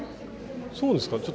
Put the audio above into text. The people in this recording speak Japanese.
そうですか？